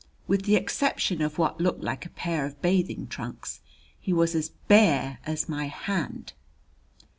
With the exception of what looked like a pair of bathing trunks he was as bare as my hand!